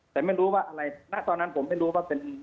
แต่ตอนนั้นผมไม่รู้ว่า